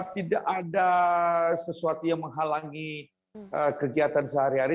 tidak ada sesuatu yang menghalangi kegiatan sehari hari